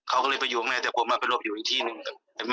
เขาก็เลยไปอยู่ข้างในนั้นแต่ผมมาไปหลบอยู่อีกที่นึง